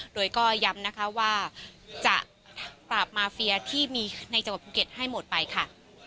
โดยก็ย้ำนะคะว่าจะปราบมาเฟียที่มีในจังหวัดภูเก็ตให้หมดไปค่ะ